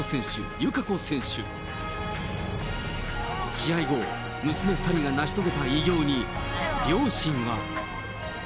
試合後、娘２人が成し遂げた偉業に、両親は。